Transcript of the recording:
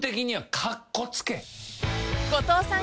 ［後藤さん